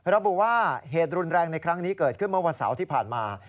ระบุว่าเหตุรุนแรงในครั้งนี้เกิดขึ้นเมื่อวันเสาร์ที่ผ่านมา